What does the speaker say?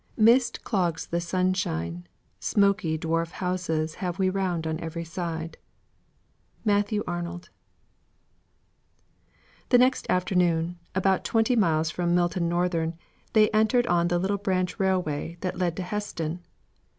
"Mist clogs the sunshine, Smoky dwarf houses Have we round on every side." MATTHEW ARNOLD. The next afternoon, about twenty miles from Milton Northern, they entered on the little branch railway that led to Heston.